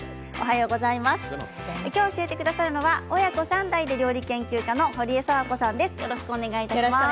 きょう教えてくださるのは親子３代で料理研究家のほりえさわこさんです。